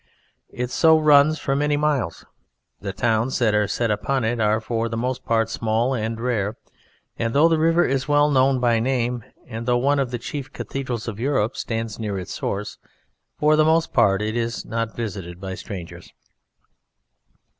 It so runs for many miles. The towns that are set upon it are for the most part small and rare, and though the river is well known by name, and though one of the chief cathedrals of Europe stands near its source, for the most part it is not visited by strangers.